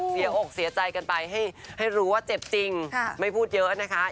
อกเสียใจกันไปให้รู้ว่าเจ็บจริงไม่พูดเยอะนะคะ